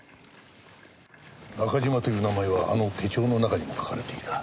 中島という名前はあの手帳の中にも書かれていた。